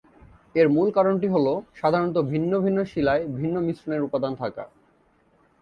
এর মূল কারণটি হ'ল সাধারণত ভিন্ন ভিন্ন শিলায় ভিন্ন মিশ্রণের উপাদান থাকা।